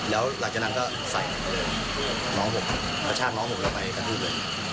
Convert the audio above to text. แล้วหลังจากนั้นก็ใส่น้องผมประชาติน้องผมไปกับผู้หญิง